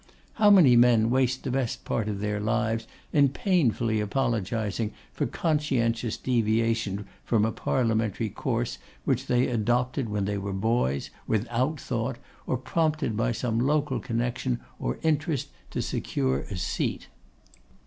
How many men waste the best part of their lives in painfully apologising for conscientious deviation from a parliamentary course which they adopted when they were boys, without thought, or prompted by some local connection, or interest, to secure a seat.